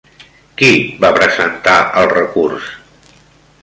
Qui va presentar el recurs?